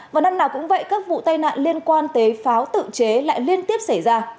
vào năm nào cũng vậy các vụ tai nạn liên quan tới pháo tự chế lại liên tiếp xảy ra